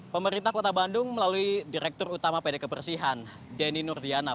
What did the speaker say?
pemerintah kota bandung melalui direktur utama pd kebersihan denny nurdiana